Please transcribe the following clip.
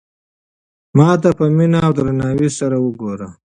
ما ته په مینه او درناوي سره وگوره.